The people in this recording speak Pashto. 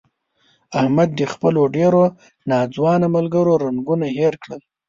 احمد د خپلو ډېرو ناځوانه ملګرو رنګون هیر کړل.